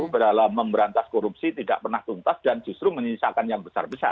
dalam memberantas korupsi tidak pernah tuntas dan justru menyisakan yang besar besar